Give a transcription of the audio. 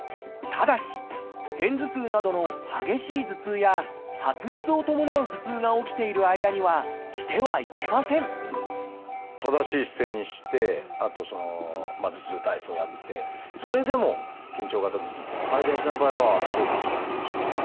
ただし片頭痛などの激しい頭痛や発熱を伴う頭痛が起きている間にはしてはいけません正しい姿勢にしてあと頭痛体操をやってそれでも緊張型頭痛っていうのが改善しない場合はどういうふうにしたらいいでしょう？